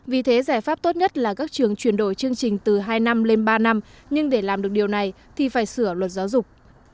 vì thế giải pháp tốt nhất là các trường chuyển đổi chương trình từ hai năm lên ba năm nhưng để làm được điều này thì phải sửa luật giáo dục